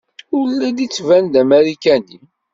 Ur la d-yettban d Amarikani.